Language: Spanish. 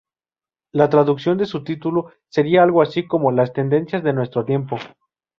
La traducción de su título seria algo así, como "Las tendencias de nuestro tiempo".